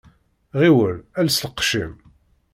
Ɣiwel els lqecc-im.